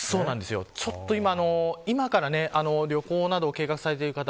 今から旅行などを計画されている方